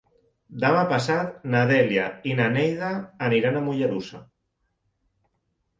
Demà passat na Dèlia i na Neida aniran a Mollerussa.